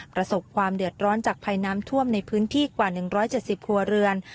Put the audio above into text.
ประสบความเดือดร้อนจากภัยน้ำท่วมในพื้นที่กว่า๑๗๐ครัวเรือน